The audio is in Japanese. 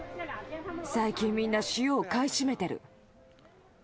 最近みんな、塩を買い占めてる。